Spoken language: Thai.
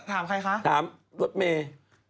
ถามใครคะรถเมย์